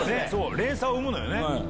連鎖を生むのよね。